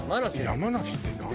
山梨って何？